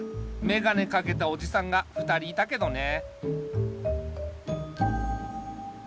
めがねかけたおじさんが２人いたけどね。